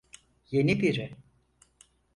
Yeni biri.